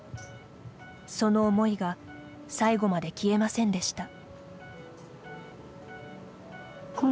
その思いが最後まで消えませんでした。